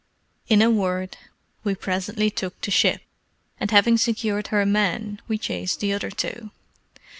In a word, we presently took the ship, and having secured her men, we chased the other two.